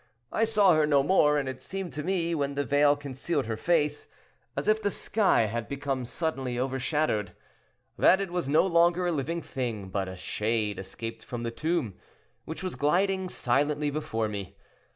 I saw her no more, and it seemed to me, when the veil concealed her face, as if the sky had become suddenly overshadowed—that it was no longer a living thing, but a shade escaped from the tomb, which was gliding silently before me.